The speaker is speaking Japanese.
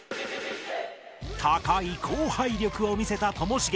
高い後輩力を見せたともしげ